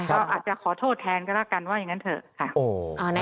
ก็จะขอโทษทางก็ได้กันวกันว่าอย่างนั้นเถอะค่ะ